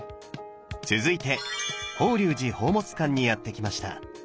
続いて法隆寺宝物館にやって来ました。